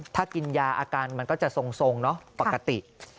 ถ้ากินยาอาการมันก็จะทรงเนอะปกติ